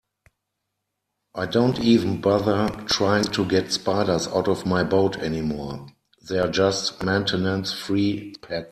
I don't even bother trying to get spiders out of my boat anymore, they're just maintenance-free pets.